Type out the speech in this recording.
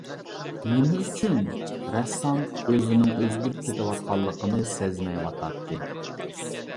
نېمە ئۈچۈن؟ رەسسام ئۆزىنىڭ ئۆزگىرىپ كېتىۋاتقانلىقىنى سەزمەيۋاتاتتى.